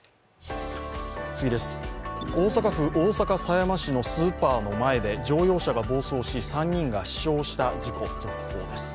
大阪府大阪狭山市のスーパーの前で乗用車が暴走し３人が死傷した事故の続報です。